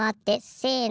「せの！」